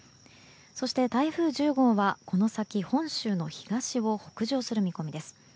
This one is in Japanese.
そして、台風１０号はこの先本州の東を北上する見込みです。